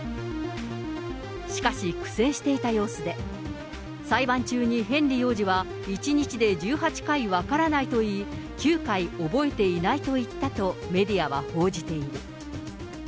しかし、苦戦していた様子で、裁判中にヘンリー王子は１日で１８回分からないと言い、９回覚えていないと言ったと、メディアは報じている。